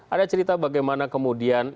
ada cerita bagaimana kemudian